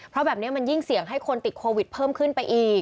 เพราะแบบนี้มันยิ่งเสี่ยงให้คนติดโควิดเพิ่มขึ้นไปอีก